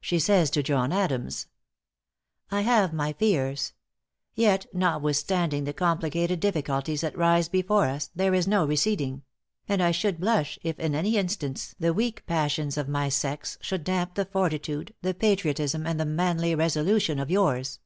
She says to John Adams: "I have my fears. Yet, notwithstanding the complicated difficulties that rise before us, there is no receding; and I should blush if in any instance the weak passions of my sex should damp the fortitude, the patriotism, and the manly resolution of yours.